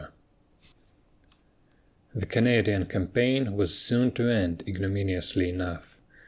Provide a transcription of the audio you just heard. The Canadian campaign was soon to end ignominiously enough.